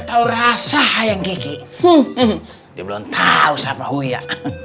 awas aja ya kalau ketemu sama aku ya